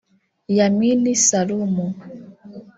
Yamini Salumu